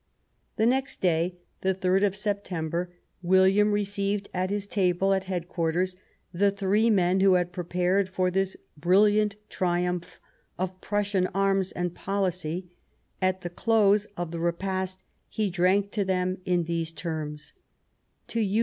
The next day, the 3rd of September, William received at his table at Headquarters the three men who had prepared for this brilliant triumph of Prussian arms and policy ; at the close of the repast he drank to them in these terms :" To you.